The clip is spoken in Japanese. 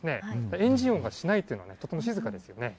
エンジン音がしないというのは、とても静かですよね。